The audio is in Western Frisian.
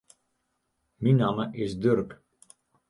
Myn namme is Durk.